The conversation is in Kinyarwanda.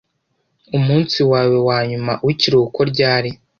Umunsi wawe wanyuma wikiruhuko ryari?